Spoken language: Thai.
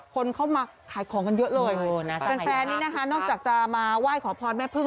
คนเข้ามาขายของกันเยอะเลยแฟนนี่นะคะนอกจากจะมาไหว้ขอพรแม่พึ่ง